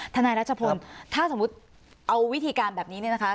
นายรัชพลถ้าสมมุติเอาวิธีการแบบนี้เนี่ยนะคะ